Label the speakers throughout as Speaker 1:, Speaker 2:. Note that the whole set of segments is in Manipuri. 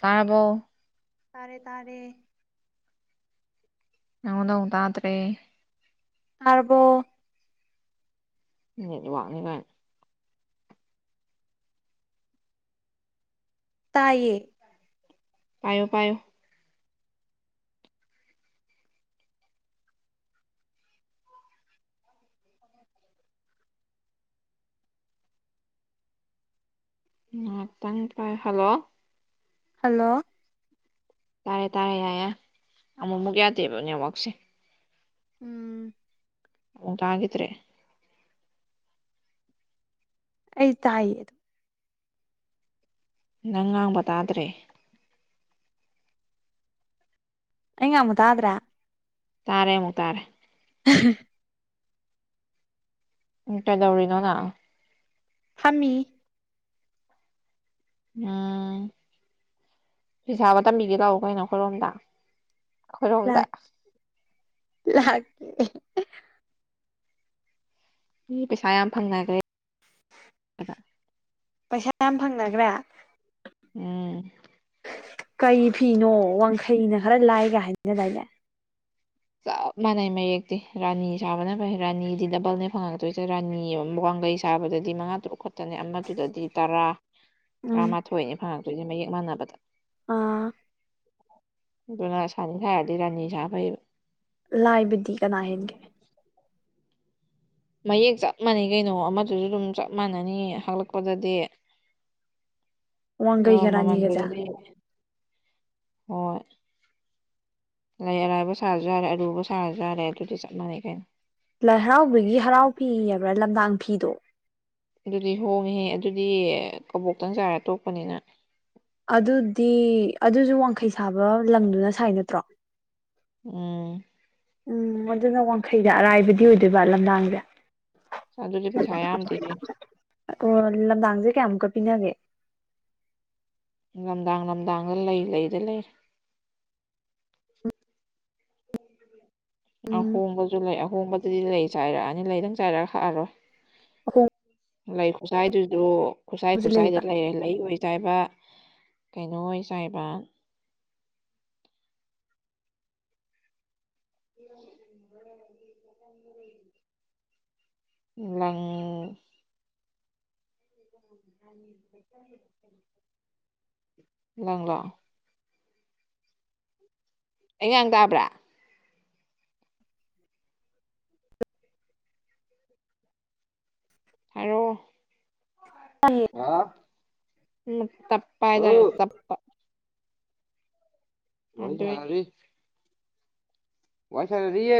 Speaker 1: ꯇꯥꯔꯕꯣ
Speaker 2: ꯇꯥꯔꯦ ꯇꯥꯔꯦ
Speaker 1: ꯍꯥꯎꯗꯧꯗ꯭ꯔꯦ
Speaker 2: ꯔꯕꯣ
Speaker 1: ꯅꯦꯠ ꯋꯥꯉꯅꯦ ꯒꯥꯏꯅ
Speaker 2: ꯇꯥꯏꯌꯦ
Speaker 1: ꯄꯥꯏꯌꯣ ꯄꯥꯏꯌꯣ ꯍꯜꯂꯣ
Speaker 2: ꯍꯜꯂꯣ
Speaker 1: ꯇꯥꯔꯦ ꯇꯥꯔꯦ ꯌꯥꯔꯌꯦ ꯑꯃꯨꯛꯃꯨꯛ ꯌꯥꯗꯦꯕ ꯅꯦꯠꯋꯥꯛꯁꯦ
Speaker 2: ꯎꯝ
Speaker 1: ꯇꯥꯒꯤꯗ꯭ꯔꯦ
Speaker 2: ꯑꯩ ꯇꯏꯌꯦ ꯑꯗꯨ
Speaker 1: ꯅꯪ ꯉꯥꯡꯕ ꯇꯥꯗ꯭ꯔꯦ
Speaker 2: ꯍꯃꯗꯗ꯭ꯔꯥ
Speaker 1: ꯇꯥꯔꯦꯃꯨꯛ ꯇꯥꯔꯦ ꯀꯩꯗꯧꯔꯤꯅꯣ ꯅꯪ
Speaker 2: ꯐꯃꯤ
Speaker 1: ꯎꯝ ꯄꯩꯁꯥꯕ ꯇꯝꯕꯤꯒꯦ ꯇꯥꯛꯑꯣ ꯀꯩꯅꯣ ꯑꯩꯈꯣꯏꯔꯣꯝꯗ ꯑꯩꯈꯣꯏꯔꯣꯝꯗ
Speaker 2: ꯂꯥꯀꯦ
Speaker 1: ꯃꯤ ꯄꯩꯁꯥ ꯌꯥꯝ ꯐꯪꯅꯈ꯭ꯔꯦ
Speaker 2: ꯄꯩꯁꯥ ꯌꯥꯝ ꯐꯪꯅꯈ꯭ꯔꯦ
Speaker 1: ꯎꯝ
Speaker 2: ꯀꯔꯤ ꯐꯤꯅꯣ ꯋꯥꯡꯈꯩꯅ ꯈꯔ ꯂꯥꯏꯒ ꯍꯥꯏꯅꯤꯅꯗꯥꯏꯅꯦ
Speaker 1: ꯆꯞ ꯃꯥꯟꯅꯩ ꯃꯌꯦꯛꯇꯤ ꯔꯥꯅꯤ ꯁꯥꯕꯅ ꯐꯩ ꯔꯥꯅꯤꯗꯤ ꯗꯕꯜꯅꯦ ꯐꯪꯉꯛꯇꯣꯏꯁꯦ ꯔꯥꯅꯤ ꯑꯃ ꯋꯥꯡ ꯂꯩ ꯁꯥꯕꯗꯗꯤ ꯃꯉꯥ ꯇꯔꯨꯛ ꯈꯇꯅꯦ ꯑꯃꯗꯨꯗꯗꯤ ꯇꯔꯥ
Speaker 2: ꯎꯝ
Speaker 1: ꯇꯔꯥꯃꯥꯊꯣꯏꯅꯤ ꯐꯉꯛꯇꯣꯏꯅꯦ ꯃꯌꯦꯛ ꯃꯥꯟꯅꯕꯗ
Speaker 2: ꯑꯥ
Speaker 1: ꯑꯗꯨꯅ ꯁꯅꯤ ꯁꯥꯔꯗꯤ ꯔꯥꯅꯤ ꯁꯥꯕ ꯐꯌꯦꯕ꯫
Speaker 2: ꯂꯥꯏꯕꯗꯤ ꯀꯅꯥ ꯍꯦꯟꯒꯦ?
Speaker 1: ꯃꯌꯦꯛ ꯆꯞ ꯃꯥꯟꯅꯩ ꯀꯩꯅꯣ ꯑꯃꯗꯨꯁꯨ ꯗꯨꯝ ꯆꯞ ꯃꯥꯟꯅꯅꯤ ꯍꯛꯂꯛꯄꯗꯗꯤ
Speaker 2: [inaudible]
Speaker 1: ꯑꯗꯣ
Speaker 2: ꯋꯥꯡꯒꯩꯒꯔꯥꯅꯤꯒꯖꯦ
Speaker 1: ꯃꯃꯜꯗꯨꯗꯗꯤ ꯍꯣꯏ ꯂꯩ ꯑꯔꯥꯏꯕ ꯁꯥꯔꯁꯨ ꯌꯥꯔꯦ ꯑꯔꯨꯕ ꯁꯥꯔꯁꯨ ꯌꯥꯔꯦ ꯑꯗꯨꯗꯤ ꯆꯞ ꯃꯥꯟꯅꯩ ꯀꯩꯅꯣ
Speaker 2: ꯂꯥꯏ ꯍꯔꯥꯎꯕꯒꯤ ꯍꯔꯥꯎ ꯐꯤ ꯍꯥꯏꯕ꯭ꯔꯥ ꯂꯝꯗꯥꯡ ꯐꯤꯗꯣ
Speaker 1: ꯑꯗꯨꯗꯤ ꯍꯣꯡꯉꯤꯍꯦ ꯑꯗꯨꯗꯤ ꯀꯕꯣꯛꯇꯪ ꯆꯥꯏꯔ ꯇꯣꯛꯄꯅꯤꯅ
Speaker 2: ꯑꯗꯨꯗꯤ ꯑꯗꯨꯁꯨ ꯋꯥꯡꯈꯩ ꯁꯥꯕ ꯂꯪꯗꯨꯅ ꯁꯥꯏ ꯅꯠꯇ꯭ꯔꯣ?
Speaker 1: ꯎꯝ
Speaker 2: ꯎꯝ ꯑꯗꯨꯅ ꯋꯥꯡꯈꯩꯗ ꯑꯔꯥꯏꯕꯗꯤ ꯑꯣꯗꯨꯏꯕ ꯂꯝꯗꯥꯡꯖꯦ꯫
Speaker 1: ꯑꯗꯨꯗꯤ ꯄꯤꯊꯥ ꯌꯥꯝꯗꯦꯍꯦ꯫
Speaker 2: ꯑꯣ ꯂꯝꯗꯥꯡꯁꯦ ꯀꯌꯥꯃꯨꯛꯀ ꯄꯤꯅꯒꯦ?
Speaker 1: ꯂꯝꯗꯥꯡ ꯂꯝꯗꯥꯡꯗ ꯂꯩ ꯂꯩꯗ ꯂꯩꯔ
Speaker 2: ꯎꯝ
Speaker 1: ꯑꯍꯣꯡꯕꯁꯨ ꯂꯩ ꯑꯍꯣꯡꯕꯗꯗꯤ ꯂꯩ ꯆꯥꯏꯔꯛꯑꯅꯤ ꯂꯩ ꯗꯨꯝ ꯆꯥꯏꯔ ꯍꯛꯑꯔꯣꯏ꯫
Speaker 2: [unintelligible]
Speaker 1: ꯂꯩ ꯈꯨꯁꯥꯏꯗꯨꯖꯨ ꯈꯨꯁꯥꯏ ꯈꯨꯁꯥꯏꯗ
Speaker 2: ꯂꯩꯕ
Speaker 1: ꯂꯩꯔꯦ ꯂꯩ ꯑꯣꯏ ꯆꯥꯏꯕ ꯀꯩꯅꯣ ꯑꯣꯏ ꯆꯥꯏꯕ [inaudible] ꯂꯪ ꯂꯪꯂꯣ ꯑꯩꯉꯥꯡ ꯇꯥꯕ꯭ꯔꯥ ꯍꯥꯏꯔꯣ
Speaker 2: ꯇꯥꯏꯌꯦ
Speaker 1: [unintelligible] [unintelligible] ꯋꯥꯏꯁꯥꯅꯔꯤꯌꯦ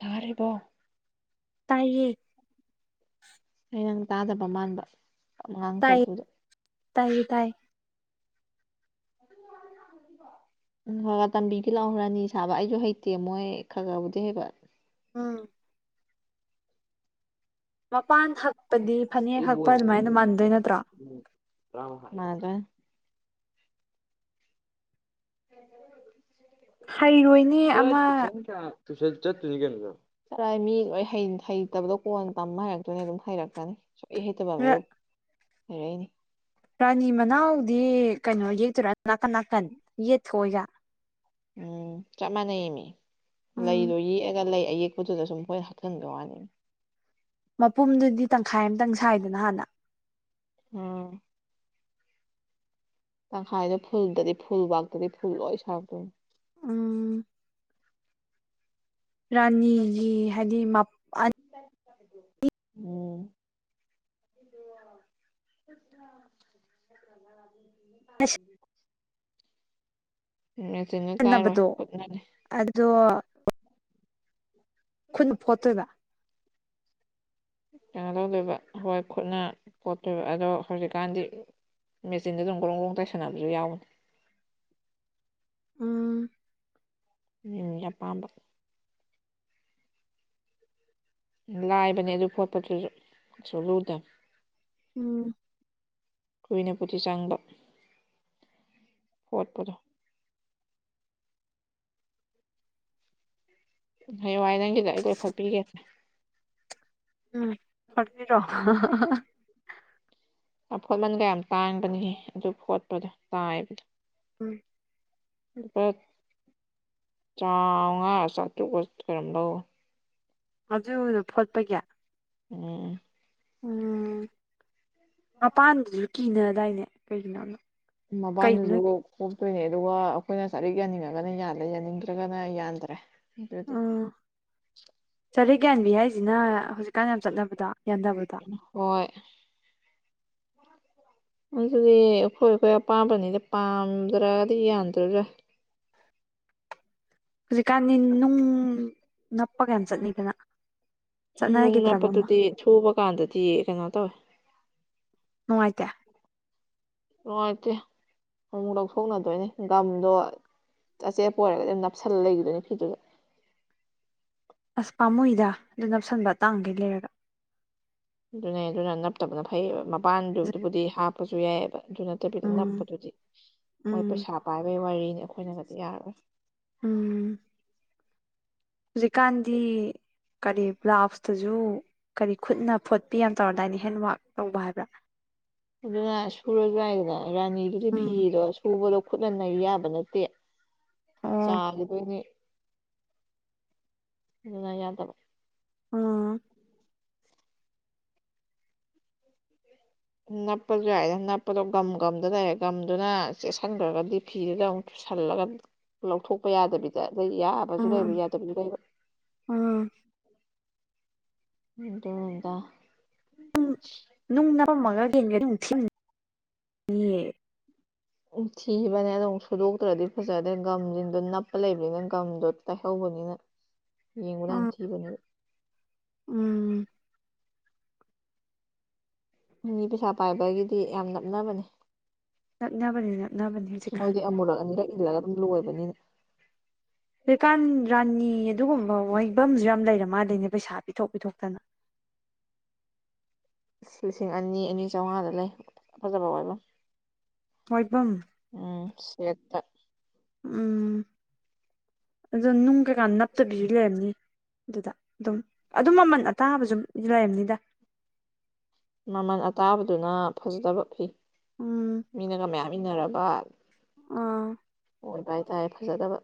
Speaker 1: ꯌꯥꯔꯦꯕꯣ
Speaker 2: ꯇꯥꯏꯌꯦ
Speaker 1: ꯑꯪ ꯇꯥꯗꯕ ꯃꯥꯟꯕ ꯑꯉꯥꯡ
Speaker 2: ꯇꯥꯏꯌꯦ
Speaker 1: ꯇꯕꯗꯨꯗ
Speaker 2: ꯇꯥꯏꯌꯦ ꯇꯥꯏ [inaudible]
Speaker 1: [unintelligible] ꯇꯝꯕꯤꯒꯦ ꯂꯥꯎ ꯔꯥꯅꯤ ꯁꯥꯕ ꯑꯩꯁꯨ ꯍꯩꯇꯦ ꯃꯣꯏ ꯈꯔ ꯈꯔꯕꯨꯗꯤ ꯍꯩꯕ
Speaker 2: ꯎꯝ ꯃꯄꯥꯟ ꯍꯛꯄꯗꯤ ꯐꯅꯦꯛ
Speaker 1: ꯑꯩꯕꯨ
Speaker 2: ꯍꯛꯄ
Speaker 1: ꯑꯣꯏꯅ ꯎꯝ
Speaker 2: ꯗꯨꯃꯥꯏꯅ ꯃꯥꯟꯗꯣꯏ ꯅꯠꯇ
Speaker 1: [unintelligible]
Speaker 2: ꯍꯩꯔꯣꯏꯅꯦ
Speaker 1: [unintelligible]
Speaker 2: ꯑꯃ
Speaker 1: ꯇꯨꯁꯟ ꯆꯠꯇꯣꯏ [unintelligible] ꯃꯤ ꯂꯣꯏ ꯍꯩ ꯍꯩꯇꯕꯗꯣ ꯀꯣꯟ ꯇꯝꯃ ꯍꯩꯔꯛꯇꯣꯏꯅꯦ ꯗꯨꯝ ꯍꯩꯔꯛꯀꯅꯤ [unintelligible] ꯍꯔꯅꯤ
Speaker 2: ꯔꯥꯅꯤ ꯃꯅꯥꯎꯗꯤ ꯀꯩꯅꯣ ꯌꯦꯛꯇꯣꯔꯥ ꯅꯥꯀꯟ ꯅꯥꯀꯟ ꯌꯦꯠꯊꯣꯏꯒ
Speaker 1: ꯎꯝ ꯆꯞ ꯃꯥꯟꯅꯌꯦꯃꯤ
Speaker 2: ꯎꯝ
Speaker 1: ꯂꯩꯗꯣ ꯌꯦꯛꯑꯒ ꯂꯩ ꯑꯌꯦꯛꯄꯗꯨꯗ ꯁꯨꯝ [unintelligible]
Speaker 2: ꯃꯄꯨꯝꯗꯨꯗꯤ ꯇꯪꯈꯥꯏ ꯑꯃꯇꯪ ꯁꯥꯏꯗꯅ ꯍꯥꯟꯅ
Speaker 1: ꯎꯝ ꯇꯪꯈꯥꯏꯗꯣ ꯐꯨꯜꯗꯗꯤ ꯐꯨꯜꯕꯥꯛꯇꯗꯤ ꯐꯨꯜ ꯂꯣꯏ ꯁꯥꯔꯛꯇꯣꯏꯅꯤ꯫
Speaker 2: ꯎꯝ ꯔꯥꯅꯤꯒꯤ ꯍꯥꯏꯗꯤ ꯃꯥ
Speaker 1: ꯎꯝ [unintelligible] [inaudible] ꯅꯆꯤꯟꯂ ꯇꯥꯏꯔꯣꯏ
Speaker 2: ꯁꯤꯖꯤꯟꯅꯕꯗꯣ
Speaker 1: ꯈꯣꯠꯅꯅꯤ
Speaker 2: ꯑꯗꯣ ꯑꯩꯈꯣꯏꯅ ꯐꯣꯠꯇꯣꯏꯗ
Speaker 1: ꯀꯩꯅꯣ ꯇꯗꯣꯏꯕ ꯍꯣꯏ ꯈꯨꯠꯅ ꯄꯣꯠꯇꯣꯏꯕ ꯑꯗꯣ ꯍꯧꯖꯤꯛꯀꯥꯟꯗꯤ ꯃꯦꯆꯤꯟꯗ ꯑꯗꯨꯝ ꯒꯣꯔꯣꯡ ꯒ꯭ꯔꯣꯡ ꯇꯥꯏ ꯁꯥꯟꯅꯕꯁꯨ ꯌꯥꯎꯅꯤ
Speaker 2: [unintelligible] [inaudible] ꯎꯝ
Speaker 1: ꯎꯝ ꯆꯄꯥꯟꯝꯕ ꯂꯥꯏꯕꯅꯦ ꯑꯗꯨ ꯈꯣꯠꯄꯗꯨ ꯁꯂꯨꯗꯕ
Speaker 2: ꯎꯝ
Speaker 1: ꯀꯨꯏꯅꯕꯨꯗꯤ ꯆꯥꯡꯕ ꯍꯣꯠꯄꯗꯣ ꯍꯌꯦ ꯋꯥꯏ ꯅꯪꯒꯤꯗ ꯑꯩ ꯂꯣꯏꯐꯠꯄꯤꯒꯦꯁꯦ
Speaker 2: ꯎꯝ ꯐꯕꯤꯔꯣ
Speaker 1: ꯑꯐꯣꯠꯃꯟꯒ ꯌꯥꯝ ꯇꯥꯡꯕꯅꯤꯍ ꯑꯗꯨ ꯐꯣꯠꯄꯗꯣ ꯇꯥꯏꯕꯗ
Speaker 2: ꯎꯝ
Speaker 1: ꯆꯥꯎꯥꯉꯥ ꯆꯥꯇ꯭ꯔꯨꯛ ꯈꯔꯝꯝꯕ
Speaker 2: ꯑꯗꯨꯗ ꯐꯣꯠꯄꯒꯤ
Speaker 1: ꯎꯝ
Speaker 2: ꯎꯝ ꯃꯄꯥꯟꯗꯁꯨ ꯀꯤꯅꯗꯥꯏꯅꯦ ꯀꯩꯒꯤꯅꯣꯗꯣ
Speaker 1: ꯃꯄꯥꯟꯗꯨꯁꯨ ꯀꯣꯛꯇꯣꯏꯅꯦ ꯑꯗꯨꯒ ꯑꯩꯈꯣꯏꯅ ꯁꯥꯏꯔꯤꯛ ꯌꯥꯅꯤꯡꯉꯒꯅ ꯌꯥꯜꯂꯦ ꯌꯥꯅꯤꯡꯗ꯭ꯔꯒꯅ ꯌꯥꯟꯗ꯭ꯔꯦ ꯑꯗꯨꯗꯤ
Speaker 2: ꯎꯝ ꯆꯔꯦ ꯌꯥꯌꯥꯟꯕꯤ ꯍꯥꯏꯁꯤꯅ ꯍꯧꯖꯤꯛꯀꯥꯟ ꯌꯥꯝ ꯆꯠꯅꯕꯗ
Speaker 1: ꯍꯣꯏ ꯑꯗꯨꯗꯤ ꯑꯩꯈꯣꯏ ꯑꯩꯈꯣꯏ ꯑꯄꯥꯝꯕꯅꯤꯗꯤ ꯄꯥꯝꯗ꯭ꯔꯒꯗꯤ ꯌꯥꯟꯗ꯭ꯔꯣꯏꯔ꯭ꯔꯥ
Speaker 2: ꯍꯧꯖꯤꯛꯀꯥꯟꯅꯤ ꯅꯨꯡ ꯅꯞꯄ ꯀꯌꯥꯝ ꯆꯠꯅꯤꯗꯅ
Speaker 1: ꯅꯣꯡ ꯅꯛꯞꯄꯗꯨꯗꯤ ꯊꯨꯕ ꯀꯥꯟꯗꯗꯤ ꯀꯩꯅꯣ ꯇꯧꯋꯦ
Speaker 2: ꯉꯗ [inaudible]
Speaker 1: ꯅꯨꯡꯉꯥꯏꯇꯦ ꯑꯃꯨꯛ ꯂꯧꯊꯣꯛꯅꯗꯣꯏꯅꯦꯒꯥꯝꯗꯣ ꯑꯆꯦꯠꯄ ꯑꯣꯏꯔꯒꯗꯤ ꯑꯗꯨꯝ ꯅꯞꯁꯜꯂ ꯂꯩꯈꯤꯗꯣꯏꯅꯤ ꯐꯤꯗꯨꯗ
Speaker 2: ꯑꯁ ꯄꯥꯃꯨꯣꯏꯗ ꯑꯗꯨ ꯅꯞꯁꯟꯕꯇꯥꯡꯈꯩ ꯂꯩꯔꯒ
Speaker 1: ꯑꯗꯨꯅꯦ ꯑꯗꯨꯅ ꯅꯞꯇꯕꯅ ꯐꯩꯌꯦꯕ ꯃꯄꯥꯟꯗꯨꯗꯨꯕꯨꯗꯤ ꯍꯥꯞꯄꯁꯨ ꯌꯥꯏꯑꯕ ꯑꯗꯨ ꯅꯠꯇꯕꯤꯗ
Speaker 2: ꯎꯝ
Speaker 1: ꯅꯛꯄꯗꯨꯗꯤ ꯃꯣꯏ
Speaker 2: ꯎꯝ
Speaker 1: ꯄꯩꯁꯥ ꯄꯥꯏꯕꯒꯤ ꯋꯥꯔꯤꯅꯤ ꯑꯩꯈꯣꯏꯅꯒꯗꯤ ꯌꯥꯔꯔꯣꯏ
Speaker 2: ꯎꯝ ꯍꯧꯖꯤꯀꯥꯟꯗꯤꯤ ꯀꯔꯤ ꯕ꯭ꯂꯥꯎꯁꯇꯁꯨ ꯀꯔꯤ ꯈꯨꯠꯅ ꯐꯣꯠꯄꯤ ꯌꯥꯝ ꯇꯧꯔꯗꯥꯏꯅꯦ ꯍꯦꯟꯋꯛ ꯇꯧꯕ ꯍꯥꯏꯕ꯭ꯔꯥ
Speaker 1: ꯑꯗꯨꯅ ꯁꯨꯔꯁꯨ ꯍꯥꯏꯏꯗꯅ ꯔꯥꯅꯤꯗꯨꯗꯤ
Speaker 2: ꯎꯝ
Speaker 1: ꯐꯤꯔꯣ ꯁꯨꯕꯗꯣ ꯈꯨꯠꯅꯍꯟꯅ ꯌꯥꯕ ꯅꯠꯇꯦ
Speaker 2: ꯑꯣ
Speaker 1: ꯆꯥꯈꯤꯗꯣꯏꯅꯤ ꯎ ꯌꯥ ꯇꯕ [inaudible]
Speaker 2: ꯑꯥ [inaudible]
Speaker 1: ꯅꯞꯄꯁꯨ ꯌꯥꯏꯅ ꯅꯞꯄꯗꯣ ꯒꯝ ꯒꯝꯗ ꯂꯩꯔꯦ ꯒꯝꯗꯨꯅ ꯆꯦꯛꯁꯤꯟꯈ꯭ꯔꯒꯗꯤ ꯐꯤꯗꯨꯗ ꯑꯃꯨꯛ ꯁꯜꯂꯒ ꯂꯧꯊꯣꯛꯄ ꯌꯥꯗꯕꯤꯗ ꯑ ꯌꯥ ꯄꯁꯨ ꯂꯩꯕ
Speaker 2: ꯎꯝ
Speaker 1: ꯌꯥꯗ ꯀꯕ
Speaker 2: ꯎꯝ
Speaker 1: ꯍꯇꯅꯗ
Speaker 2: ꯅꯨꯡ ꯅꯝꯃꯒꯦꯟꯒ ꯅꯨꯡꯊꯤ
Speaker 1: ꯎ ꯊꯤꯕꯅꯦ ꯑꯗꯨꯝ ꯁꯨꯗꯣꯛꯇ꯭ꯔꯗꯤ ꯐꯖꯗꯦ ꯒꯝꯁꯤꯡꯗꯣ ꯅꯞꯄ ꯂꯩꯕꯅꯤꯅ ꯒꯝꯗꯣ ꯇꯥꯏꯍꯧꯕ ꯗ ꯌꯦꯟ
Speaker 2: ꯎꯝ
Speaker 1: ꯀꯇꯅꯤ
Speaker 2: ꯎꯝ
Speaker 1: ꯃꯤꯅꯤ ꯄꯩꯁꯥ ꯄꯥꯏꯕꯒꯤꯗꯤ ꯌꯥꯝ ꯅꯞꯅꯕꯅꯦ
Speaker 2: ꯅꯛꯅꯕꯅꯦ ꯅꯛꯅꯕꯅꯦ ꯍꯧꯖꯤꯛꯀꯥꯟ
Speaker 1: ꯃꯣꯏꯗꯤ ꯑꯃꯨꯔꯛ ꯑꯅꯤꯔꯛ ꯏꯜꯂꯒ ꯑꯗꯨꯝ ꯂꯣꯏꯕꯅꯤꯅ
Speaker 2: ꯍꯀꯥꯟ ꯔꯥꯟꯅꯤ ꯑꯗꯨꯒꯨꯝꯕ ꯋꯥꯏꯐꯝꯁꯨ ꯌꯥꯝ ꯂꯩꯔ ꯃꯥꯗꯩꯅꯦ ꯄꯩꯁꯥ ꯄꯤꯊꯣꯛ ꯄꯤꯊꯣꯛꯇꯅ
Speaker 1: ꯑ ꯂꯤꯁꯤꯡ ꯑꯅꯤ ꯑꯅꯤ ꯆꯥꯝꯃꯉꯥꯗ ꯂꯩ ꯐꯖꯕ ꯑꯣꯏꯕ
Speaker 2: ꯑꯣꯏꯏꯕꯝ
Speaker 1: ꯎꯝ ꯁꯦꯠꯇ
Speaker 2: ꯎꯝ ꯑꯗꯨꯗꯅ ꯀ ꯀꯥꯟ ꯅꯞꯇ ꯕꯤꯖꯤ ꯂꯅꯤ ꯑꯗꯨꯗ ꯑꯗꯨꯝ ꯑꯗꯨꯝ ꯃꯃꯜ ꯑꯇꯥꯕꯁꯨ ꯂꯩꯔꯝꯅꯤꯗ
Speaker 1: ꯃꯃꯜ ꯑꯇꯥꯕꯗꯨꯅ ꯐꯖꯗꯕ ꯐꯤ
Speaker 2: ꯎꯝ
Speaker 1: ꯃꯤꯅꯒ ꯃꯌꯥꯝ ꯏꯟꯅꯔꯕ
Speaker 2: ꯑꯥ
Speaker 1: ꯑꯣꯏꯕ ꯍꯥꯏ ꯇꯔꯦ ꯐꯖꯗꯕ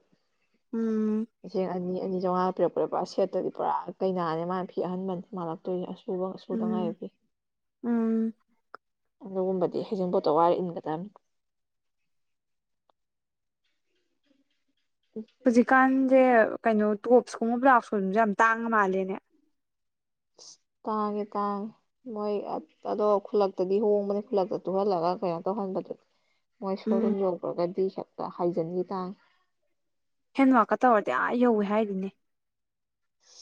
Speaker 2: ꯎꯝ
Speaker 1: ꯂꯤꯁꯤꯡ ꯑꯅꯤ ꯑꯦꯅꯤ ꯆꯥꯝꯉꯥ ꯄꯤꯔꯛꯄꯔꯦꯔꯥꯦꯠꯇꯗꯤ ꯄꯨꯔꯥ ꯀꯩꯅꯥꯅꯦ ꯃꯥꯒꯤ ꯐꯤ ꯑꯍꯟꯕꯟꯗꯤ ꯃꯥꯜꯂꯛꯇꯣꯏꯅꯦ ꯑꯁ ꯁꯨꯕ
Speaker 2: ꯎꯝ
Speaker 1: ꯁꯨꯗꯉꯥꯏꯕꯤ
Speaker 2: ꯎꯝ
Speaker 1: ꯑꯗꯨꯒꯨꯝꯕꯗꯤ ꯍꯩꯖꯤꯡꯄꯣꯠꯇꯣ ꯋꯥꯔꯛ ꯏꯟꯒ ꯇꯅꯤ
Speaker 2: ꯍꯧꯖꯤꯛꯀꯥꯟꯁꯦ ꯀꯩꯅꯣ ꯇꯣꯞꯁꯀꯨꯝꯕ ꯕ꯭ꯂꯥꯎꯁꯀꯨꯝꯕꯁꯨꯦ ꯌꯥꯝ ꯇꯥꯡꯉ ꯃꯥꯜꯂꯦꯅꯦ [unintelligible]
Speaker 1: ꯇꯥꯡꯉꯦ ꯇꯥꯡꯉꯦ ꯃꯣꯏ ꯑꯗꯣ ꯈꯨꯜꯂꯛꯇꯗꯤ ꯍꯣꯡꯕꯅꯤ ꯈꯨꯜꯂꯛꯇ ꯇꯨꯍꯜꯂꯒ ꯀꯩꯅꯣ ꯇꯧꯍꯟ ꯃꯣꯏ
Speaker 2: ꯎꯝ
Speaker 1: ꯁꯣꯔꯨꯝ ꯌꯧꯈ꯭ꯔꯒꯗꯤ ꯍꯦꯛꯇ ꯍꯥꯏꯖꯟꯈꯤꯦ ꯇꯥꯡ
Speaker 2: ꯍꯦꯟꯋꯀ ꯇꯧꯔꯗꯤ ꯑ ꯌꯧꯋꯦ ꯍꯥꯏꯔꯤꯅꯦ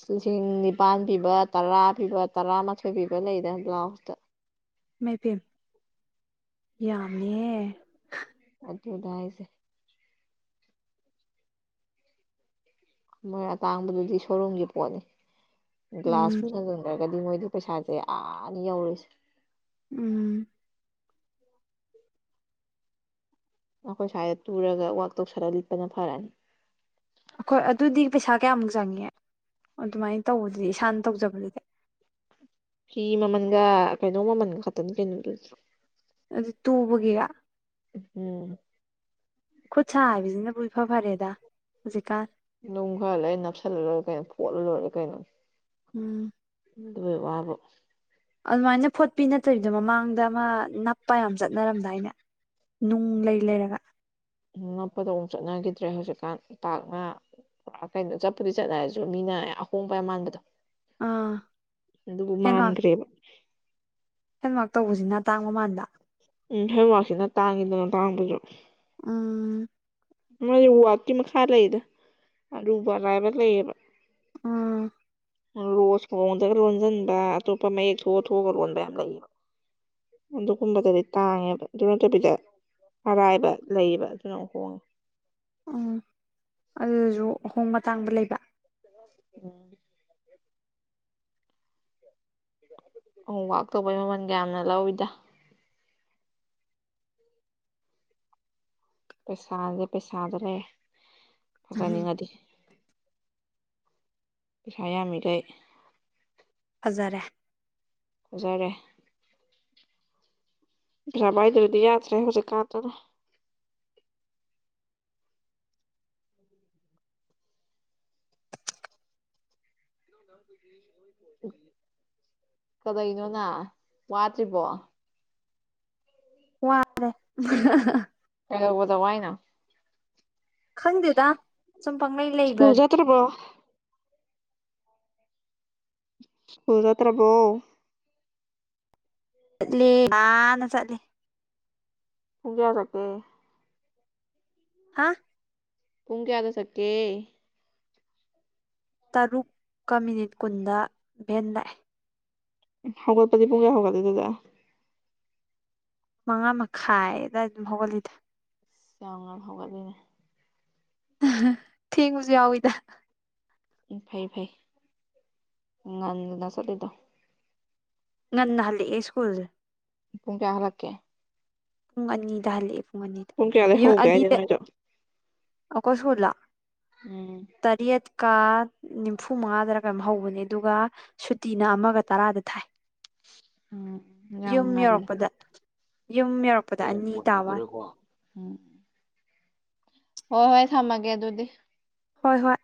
Speaker 1: ꯂꯤꯁꯤꯡ ꯅꯤꯄꯥꯥꯟ ꯄꯤꯕ ꯇꯔꯥ ꯄꯤꯕ ꯇꯔꯥꯃꯥꯊꯣꯏ ꯄꯤꯕ ꯂꯩꯗꯅ ꯕ꯭ꯂꯥꯎꯁꯇ
Speaker 2: ꯃꯕꯦꯝ ꯌꯥꯝꯃꯦ
Speaker 1: ꯗ ꯍꯥꯏꯁꯦ ꯃꯣꯏ ꯑꯇꯥꯡꯕꯗꯨꯗꯤ ꯁꯣꯔꯨꯝꯒꯤ ꯄꯣꯠꯅꯤ
Speaker 2: ꯎꯝ
Speaker 1: ꯒ꯭ꯂꯥꯁ ꯐꯖ ꯒꯗꯤ ꯃꯣꯏꯗꯤ ꯄꯩꯁꯥꯁꯦ ꯑꯥꯅꯤ ꯌꯧꯔꯨꯁꯦ
Speaker 2: ꯎꯝ
Speaker 1: ꯑꯩꯈꯣꯏ ꯁ꯭ꯋꯥꯏꯗ ꯇꯨꯔꯒ ꯋꯥꯛ ꯇꯧꯁꯜꯂ ꯂꯤꯠꯄꯅ ꯐꯔꯅꯤ
Speaker 2: ꯑꯩꯈꯣꯏ ꯑꯗꯨꯗꯤ ꯄꯩꯁꯥ ꯀꯌꯥꯃꯨꯛ ꯆꯪꯉꯦ ꯑꯗꯨꯃꯥꯏꯅ ꯇꯧꯕꯗꯨꯗꯤ ꯏꯁꯥꯅ ꯇꯧꯖꯕꯗꯨꯗ
Speaker 1: ꯐꯤ ꯃꯃꯜꯒ ꯀꯩꯅꯣ ꯃꯃꯜꯒ ꯈꯛꯇꯅꯤ ꯀꯩꯅꯣꯗꯨ
Speaker 2: ꯑꯗꯨ ꯇꯨꯕꯒꯤꯔ
Speaker 1: ꯎꯝ
Speaker 2: ꯈꯨꯠ ꯁꯥ ꯍꯥꯏꯕꯁꯤꯅꯕꯨꯣꯏ ꯐ ꯐꯔꯦꯗ ꯍꯧꯖꯤꯛꯀꯥꯟ
Speaker 1: ꯅꯨꯡ ꯈꯔ ꯂꯩ ꯑꯩ ꯅꯞꯁꯜꯂ ꯂꯣꯏꯔꯦ ꯀꯩꯅꯣ ꯐꯣꯠꯂ ꯂꯣꯏꯔꯦ ꯀꯩꯅꯣ
Speaker 2: ꯎꯝ
Speaker 1: ꯑꯗꯨ ꯋꯥꯕ
Speaker 2: ꯑꯗꯨꯃꯥꯏꯅ ꯐꯣꯠꯄꯤ ꯅꯠꯇꯕꯤꯗꯣ ꯃꯃꯥꯡꯗ ꯑꯃ ꯅꯞꯄ ꯌꯥꯝ ꯆꯠꯅꯔꯝꯗꯥꯏꯅꯦ ꯅꯨꯡ ꯂꯩ ꯂꯩꯔꯒ
Speaker 1: ꯉ ꯄ ꯍ ꯆꯠꯅꯈꯤꯗ꯭ꯔꯦ ꯍꯧꯖꯤꯛꯀꯥꯟ ꯄꯥꯛ ꯉꯥ ꯀꯩꯅꯣ ꯆꯠꯄꯨꯗꯤ ꯆꯠꯂ ꯍꯥꯏꯔꯁꯨ ꯃꯤꯅ ꯑꯍꯣꯡꯕ ꯃꯥꯟꯕꯗꯣ
Speaker 2: ꯑꯥ
Speaker 1: ꯑꯗꯨꯕꯨ ꯃꯥꯟꯈ꯭ꯔꯦꯕ
Speaker 2: ꯍꯦꯟꯋꯥꯔꯛ ꯇꯧꯕꯁꯤꯅ ꯇꯥꯡ ꯃꯃꯥꯟꯗ
Speaker 1: ꯎꯝ ꯍꯦꯋꯥꯛꯁꯤꯅ ꯇꯥꯡꯉꯤꯗꯅ ꯇꯥꯡꯕꯁꯨ
Speaker 2: ꯎꯝ
Speaker 1: ꯃꯣꯏ ꯎꯋꯥꯛꯀꯤ ꯃꯈꯥ ꯂꯩꯗ ꯑꯗꯨ ꯑꯔꯥꯏꯕ ꯂꯩꯌꯦꯕ
Speaker 2: ꯑꯥ
Speaker 1: ꯔꯣꯁ ꯀꯗꯒ ꯔꯣꯖꯗꯥ ꯇ ꯃ ꯊ ꯊꯒ ꯔꯣꯗꯥ ꯑꯗꯨꯒ ꯀꯨꯝꯕꯗꯗꯤ ꯇꯥꯡꯉꯦꯕ ꯑꯗꯨꯅꯠꯇ ꯄꯗ ꯑꯔꯥꯏꯕ ꯂꯩꯌꯦꯕ ꯑꯗꯨꯅ ꯑꯃꯨꯛ ꯍꯣꯡꯉꯦ
Speaker 2: ꯎꯝ ꯑꯗꯨꯁꯨ ꯑꯍꯣꯡꯕ ꯃꯇꯇꯥꯡꯕ ꯂꯩꯕ
Speaker 1: ꯎꯝ ꯑꯣ ꯋꯥꯛ ꯇꯧꯕꯩ ꯃꯃꯜ ꯀꯌꯥꯝꯅ ꯂꯧꯏꯤꯗ ꯄꯩꯁꯥꯥꯁꯦ ꯄꯩꯁꯥꯗ꯭ꯔꯦ
Speaker 2: ꯎꯝ
Speaker 1: ꯐꯖꯅꯤꯡꯉꯗꯤ ꯁꯌꯥꯃꯤꯔꯩ
Speaker 2: ꯐꯖꯔꯦ
Speaker 1: ꯑꯣꯖꯥꯔꯦ ꯐꯔꯕ ꯏꯗꯔꯗꯤ ꯌꯥꯗꯔꯦ ꯍꯧꯁꯦ ꯀꯥ ꯇꯅ ꯀꯗꯩꯅꯣꯅ ꯋꯥꯠꯇ꯭ꯔꯤꯕꯣ
Speaker 2: ꯋꯥꯔꯦ
Speaker 1: ꯀꯩꯗꯧꯕꯗ ꯋꯥꯏꯅꯣ
Speaker 2: ꯈꯪꯗꯦꯗ ꯁꯨꯝ ꯄꯥꯡꯂꯩ ꯂꯩꯕ
Speaker 1: ꯁ꯭ꯀꯨꯜ ꯆꯠꯇ꯭ꯔꯕꯣ ꯁꯀ꯭ꯨꯜ ꯆꯠꯇꯔꯥꯕꯣ
Speaker 2: ꯆꯠꯂꯤ ꯑꯅ ꯆꯠꯂꯤ
Speaker 1: [unintelligible]
Speaker 2: ꯍꯥ
Speaker 1: ꯄꯨꯡ ꯀꯌꯥꯗ ꯆꯠꯀꯦ
Speaker 2: ꯇꯔꯨꯛꯀ ꯃꯤꯅꯤꯠ ꯀꯨꯟꯗ ꯚꯦꯟ ꯂꯥꯛꯑꯦ
Speaker 1: ꯍꯧꯒꯠꯄꯗꯤ ꯄꯨꯡ ꯀꯌꯥ ꯍꯧꯂꯤ ꯑꯗꯨ ꯑꯗꯨꯗꯤ
Speaker 2: ꯃꯉꯥ ꯃꯈꯥꯏ ꯑꯗꯨꯋꯥꯏ ꯑꯗꯨꯝ ꯍꯧꯒꯠꯂꯤꯗ
Speaker 1: ꯑ ꯌꯥꯝ ꯉꯟ ꯍꯧꯒꯠꯂꯤꯅꯦ
Speaker 2: ꯊꯦꯡꯕꯁꯨ ꯌꯥꯎꯏ ꯗ
Speaker 1: ꯎꯝ ꯐꯩ ꯐꯩ ꯎ ꯉꯥꯟꯅ ꯆꯠꯂꯤꯗꯣ
Speaker 2: ꯉꯟꯅ ꯍꯟꯂꯛ ꯑꯦ ꯏꯁ꯭ꯀꯨꯜꯁꯦ
Speaker 1: ꯄꯨꯡ ꯀꯌꯥ ꯍꯂꯀꯦ
Speaker 2: ꯄꯨꯡ ꯑꯅꯤꯗ ꯍꯜꯂꯛꯑꯦ ꯄꯨꯡ ꯑꯅꯤꯗ
Speaker 1: ꯀꯌꯥꯗꯩ
Speaker 2: ꯌꯨꯝ
Speaker 1: ꯍꯧꯒꯦ ꯍꯥꯏꯁꯦ
Speaker 2: ꯑꯅꯤꯗ
Speaker 1: ꯅꯣꯏꯗꯣ
Speaker 2: ꯑꯈꯣꯏ ꯁꯀꯨꯜ ꯔꯣ
Speaker 1: ꯎꯝ
Speaker 2: ꯀꯥ ꯅꯤꯐꯨ ꯃꯉꯥꯗꯔ ꯀꯝ ꯍꯧꯕꯅꯦ ꯑꯗꯨꯒ ꯁꯨꯇꯤꯅ ꯑꯃꯒ ꯇꯔꯥꯗ ꯊꯥꯏ
Speaker 1: ꯎꯝ ꯌꯥꯝ
Speaker 2: ꯌꯨꯝ
Speaker 1: ꯉꯜꯂꯤ
Speaker 2: ꯌꯧꯔꯛꯄꯗ ꯌꯨꯝ ꯌꯧꯔꯛꯄꯗ
Speaker 1: ꯑꯦ
Speaker 2: ꯑꯅꯤ
Speaker 1: ꯕꯣꯜ
Speaker 2: ꯇꯥꯕ
Speaker 1: ꯍꯧꯗꯣꯔꯦꯀꯣ ꯎꯝ ꯍꯣꯏ ꯍꯣꯏ ꯊꯝꯃꯒꯦ ꯑꯗꯨꯗꯤ
Speaker 2: ꯍꯣꯏ ꯍꯣꯏ